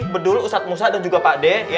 berdua ustadz musa dan juga pak d